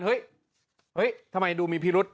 เฮ้ยทำไมดูมีพิรุษ